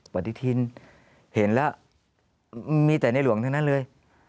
ปฏิทินเห็นแล้วมีแต่ในหลวงทั้งนั้นเลย